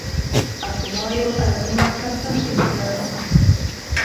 عبیدالله یو عربي مکتب تاسیس کړ.